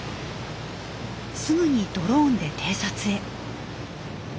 すぐにドローンで偵察へ。